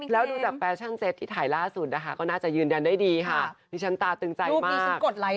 แล้วดูจากแฟชั่นเต็ตที่ถ่ายล่าสุดนะคะก็น่าจะยืนยันได้ดีค่ะดิฉันตาตึงใจมาก